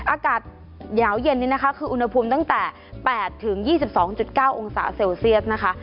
อากาศหนาวเย็นนี่นะคะคืออุณหภูมิตั้งแต่๘๒๒๙องศาเซลเซียสนะคะ